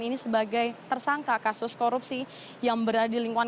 ini sebagai tersangka kasus korupsi yang berada di lingkungan